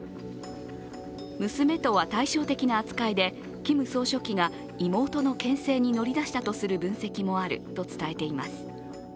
娘とは対照的な扱いでキム総書記が妹のけん制に乗り出したとする分析もあると伝えています。